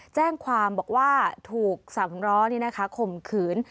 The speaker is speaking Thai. แจ้งความบอกว่าถูกสั่งร้อนี่นะคะข่มขืน